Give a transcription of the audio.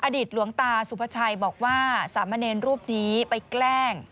หลวงตาสุภาชัยบอกว่าสามเณรรูปนี้ไปแกล้ง